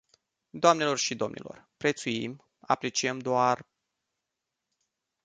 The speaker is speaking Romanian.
Doamnelor și domnilor, prețuim, apreciem doar...